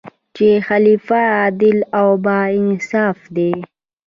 چې خلیفه عادل او با انصافه دی.